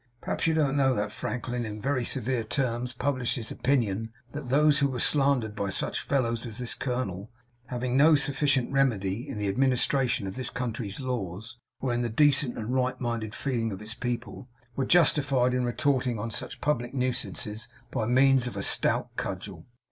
Perhaps you don't know that Franklin, in very severe terms, published his opinion that those who were slandered by such fellows as this colonel, having no sufficient remedy in the administration of this country's laws or in the decent and right minded feeling of its people, were justified in retorting on such public nuisances by means of a stout cudgel?